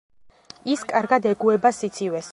ის კარგად ეგუება სიცივეს.